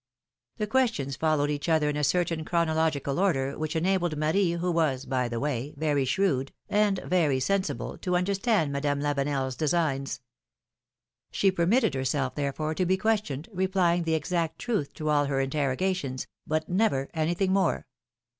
The questions follov/ed each other in a certain chronolo gical order, which enabled Marie, who was, by the way, very shrewd and very sensible, to understand Madame Lavenel's designs. She permitted herself, therefore, to be questioned, re plying the exact truth to all her interrogations, but never anything more.